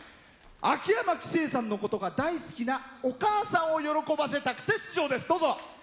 秋山気清さんのことが大好きなお母さんを喜ばせたくて出場です。